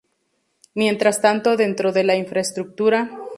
Mientras tanto dentro de la infraestructura.